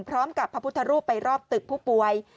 พร้อมกับพระพุทธรูปไปรอบตึกผู้ป่วย